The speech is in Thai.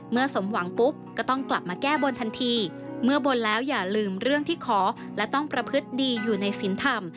เมื่อบนแล้วอย่าลืมเรื่องที่ขอและต้องประพฤติดีอยู่ในสินธรรม